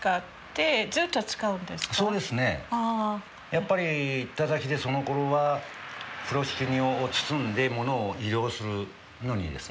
やっぱり行った先でそのころは風呂敷に包んでものを移動するのにですね